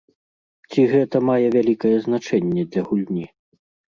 Ці гэта мае вялікае значэнне для гульні?